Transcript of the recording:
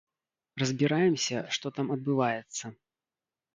Разбіраемся, што там адбываецца.